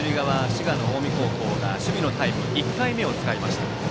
滋賀の近江高校が守備のタイム１回目を使いました。